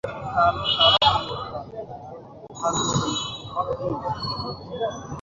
এখন তারা আমাদের নির্মমভাবে হত্যা করবে।